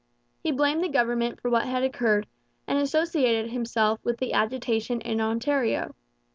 He blamed the government for what had occurred, and associated himself with the agitation in Ontario.